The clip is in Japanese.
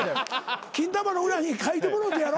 金玉の裏に描いてもろてやろ？